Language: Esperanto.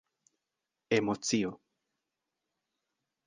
emocio